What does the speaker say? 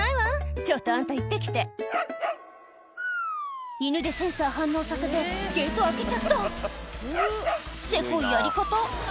「ちょっとあんた行って来て」犬でセンサー反応させてゲート開けちゃったせこいやり方